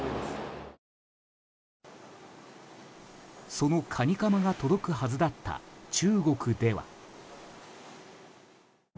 そのカニカマが届くはずだった中国では。